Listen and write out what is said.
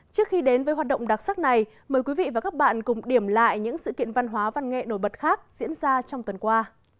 trước khi đến với hoạt động đặc sắc này mời quý vị và các bạn cùng điểm lại những sự kiện văn hóa văn nghệ nổi bật khác diễn ra trong tuần qua